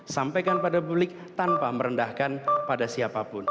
sampaikan pada publik tanpa merendahkan pada siapapun